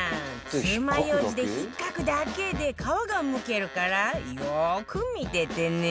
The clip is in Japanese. つま楊枝で引っかくだけで皮がむけるからよく見ててね